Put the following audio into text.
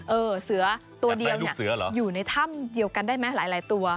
เออเสือตัวเดียวเนี่ยอยู่ในถ้ำเดียวกันได้ไหมหลายตัว